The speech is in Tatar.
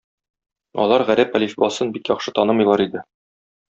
Алар гарәп әлифбасын бик яхшы танымыйлар иде.